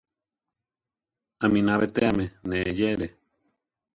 Aminá betéame ne eyéere.